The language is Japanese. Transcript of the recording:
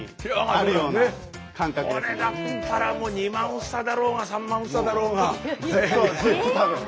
これだったらもう２万房だろうが３万房だろうが。